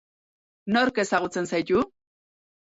Nork ezagutzen zaitu?